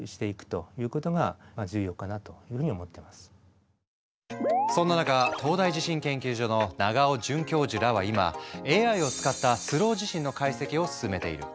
結局あのそんな中東大地震研究所の長尾准教授らは今ＡＩを使ったスロー地震の解析を進めている。